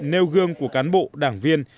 nêu gương của cán bộ đảng viên